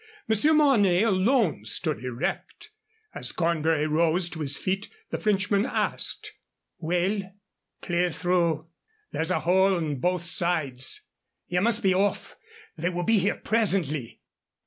Monsieur Mornay alone stood erect. As Cornbury rose to his feet the Frenchman asked: "Well?" "Clear through. There's a hole on both sides. Ye must be off. They will be here presently."